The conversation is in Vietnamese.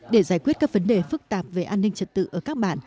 để giải quyết các vấn đề phức tạp về an ninh trật tự ở các bản